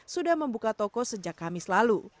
sudah membuka toko sejak kamis lalu